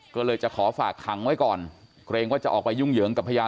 ก็เลยจะขอฝากขังไว้ก่อนเกรงว่าจะออกไปยุ่งเหยิงกับพยาน